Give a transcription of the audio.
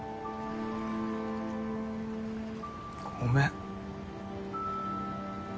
ごめん。